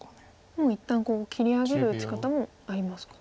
もう一旦切り上げる打ち方もありますか。